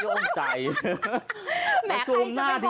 โฮยโอ้ที่ประโยชน์ใจ